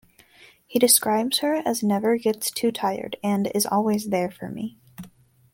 He describes her as "never gets too tired" and "is always there for me".